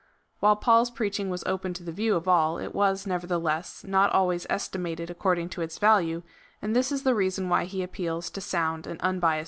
"' While Paul's preach ing was open to the view of all, it was, nevertheless, not always estimated according to its value, and this is the rea son why he appeals to sound and unbiassed judges,^ who ^ Thus we read, (Gen. xxv.